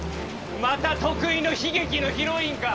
また得意の悲劇のヒロインか？